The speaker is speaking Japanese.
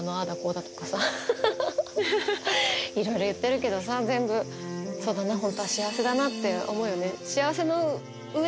いろいろ言ってるけどさ全部そうだな。って思うよね。